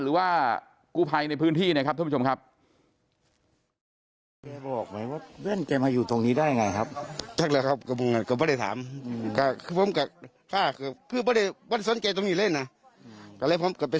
หรือว่ากูภัยในพื้นที่นะครับท่านผู้ชมครับ